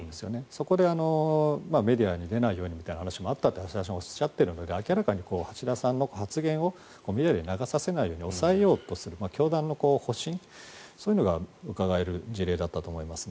そこでメディアに出ないようにって話もあったと橋田さんはおっしゃっているんですが明らかに橋田さんの発言をメディアに流させないように抑えようとする教団の保身そういうのがうかがえる事例だったと思います。